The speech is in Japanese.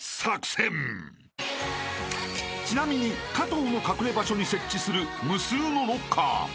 ［ちなみに加藤の隠れ場所に設置する無数のロッカー］